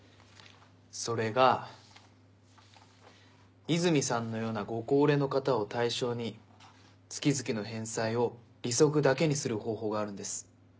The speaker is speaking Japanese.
それが泉さんのようなご高齢の方を対象に月々の返済を利息だけにする方法があるんです。